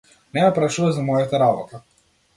Не ме прашувај за мојата работа.